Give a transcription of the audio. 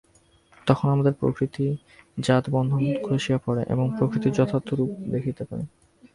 তখন আমাদের প্রকৃতিজাত বন্ধন খসিয়া পড়ে এবং আমরা প্রকৃতির যথার্থ রূপ দেখিতে পাই।